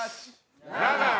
７